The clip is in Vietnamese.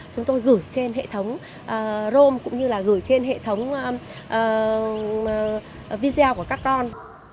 chúng tôi gửi trên hệ thống rome cũng như là gửi trên hệ thống video của các con